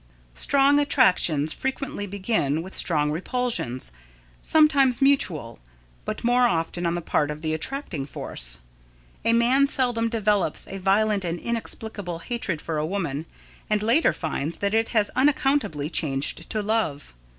Strong attractions frequently begin with strong repulsions, sometimes mutual, but more often on the part of the attracting force. A man seldom develops a violent and inexplicable hatred for a woman and later finds that it has unaccountably changed to love.